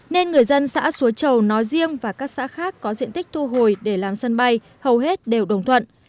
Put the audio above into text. nên người dân xã suối chầu nói riêng và các xã khác có diện tích thu hồi để làm sân bay hầu hết đều đồng thuận